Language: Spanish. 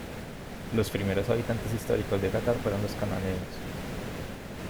Los primeros habitantes históricos de Catar fueron los cananeos.